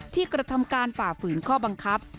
กระทำการฝ่าฝืนข้อบังคับ